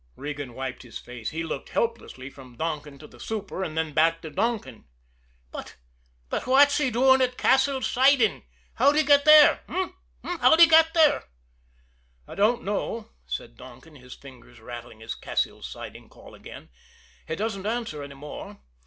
Regan wiped his face. He looked helplessly from Donkin to the super, and then back again at Donkin. "But but what's he doing at Cassil's Siding? How'd he get there h'm? H'm? How'd he get there?" "I don't know," said Donkin, his fingers rattling the Cassil's Siding call again. "He doesn't answer any more.